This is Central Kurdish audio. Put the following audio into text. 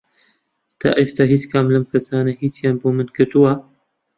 تا ئێستا هیچ کام لەم کەسانە هیچیان بۆ من کردووە؟